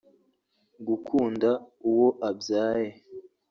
gukunda uwo abyaye